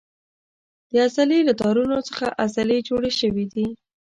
د عضلې له تارونو څخه عضلې جوړې شوې دي.